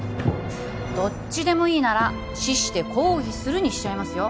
どっちでもいいなら「死して抗議する」にしちゃいますよ